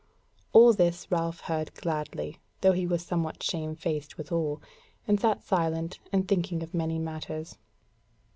All this Ralph heard gladly, though he was somewhat shamefaced withal, and sat silent and thinking of many matters.